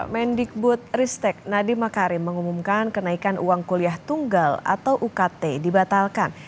mendikbud ristek nadiem makarim mengumumkan kenaikan uang kuliah tunggal atau ukt dibatalkan